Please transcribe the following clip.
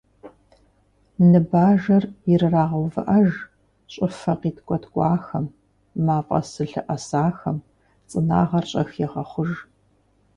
Ныбажэр ирырагъэувыӏэж, щӏыфэ къиткӏэткӏуахэм, мафӏэс зылъэӏэсахэм цӏынагъэр щӏэх егъэхъуж.